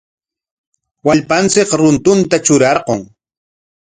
Wallpanchik runtutam trurarqun.